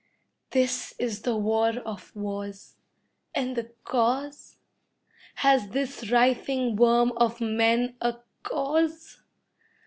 This is the war of wars, and the cause? Has this writhing worm of men a cause?